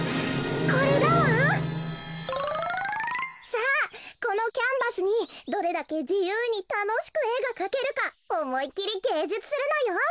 さあこのキャンバスにどれだけじゆうにたのしくえがかけるかおもいきりげいじゅつするのよ。